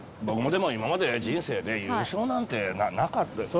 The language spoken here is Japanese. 僕もでも今まで人生で優勝なんてなかった。